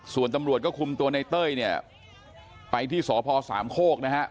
ส่วนตำรวจก็คุมตัวในเต้ยเนี่ยไปที่สพสามโคกนะฮะ